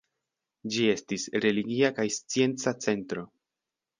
Ĝi estis religia kaj scienca centro.